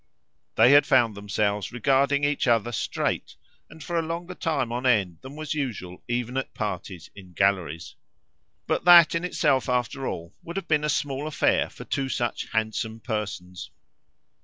They had found themselves regarding each other straight, and for a longer time on end than was usual even at parties in galleries; but that in itself after all would have been a small affair for two such handsome persons.